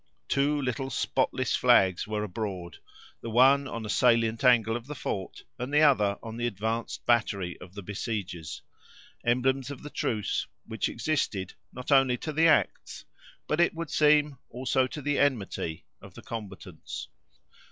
Two little spotless flags were abroad, the one on a salient angle of the fort, and the other on the advanced battery of the besiegers; emblems of the truth which existed, not only to the acts, but it would seem, also, to the enmity of the combatants.